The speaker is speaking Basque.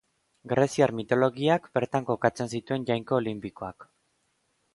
Greziar mitologiak bertan kokatzen zituen jainko olinpikoak.